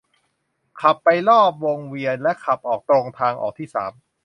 ขับไปรอบวงเวียน และขับออกตรงทางออกที่สาม